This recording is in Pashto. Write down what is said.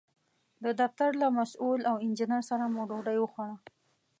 د دفتر له مسوول او انجینر سره مو ډوډۍ وخوړه.